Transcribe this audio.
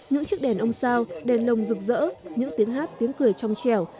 những chiếc đèn ông sao đèn lồng rực rỡ những tiếng hát tiếng cười trong trèo